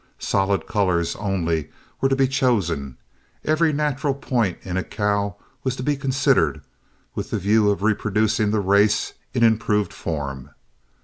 Solid colors only were to be chosen, every natural point in a cow was to be considered, with the view of reproducing the race in improved form.